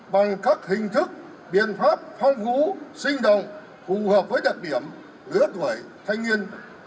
bình thức biện pháp phong vũ sinh động phù hợp với đặc điểm đứa tuổi thanh niên